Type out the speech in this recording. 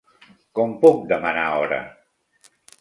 Com puc demanar hora?